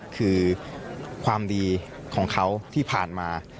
คือความดีของเขาที่ผ่านมา